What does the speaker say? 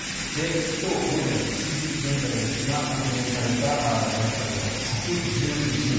今日午前７時現在ですが確認された亡くなった方が１１１人。